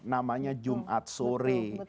namanya jum'at sore